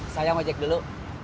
saya sama jack dulu